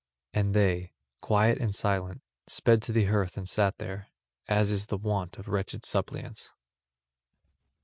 And they, quiet and silent, sped to the hearth and sat there, as is the wont of wretched suppliants.